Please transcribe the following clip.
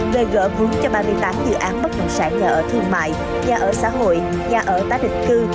về gỡ vốn cho ba mươi tám dự án bất động sản nhà ở thương mại nhà ở xã hội nhà ở tái định cư